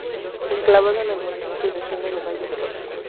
Enclavado en el municipio vecino de Valle de Losa.